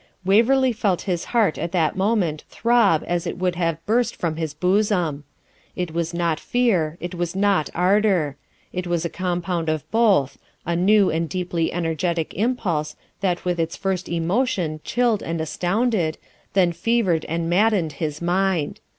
Waverley felt his heart at that moment throb as it would have burst from his bosom. It was not fear, it was not ardour: it was a compound of both, a new and deeply energetic impulse that with its first emotion chilled and astounded, then fevered and maddened his mind.